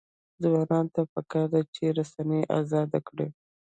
ځوانانو ته پکار ده چې، رسنۍ ازادې کړي.